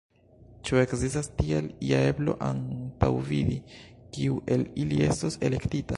Ĉu ekzistas tial ia eblo antaŭvidi, kiu el ili estos elektita?